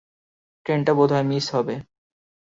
ট্রেনটা বোধহয় মিস হবে।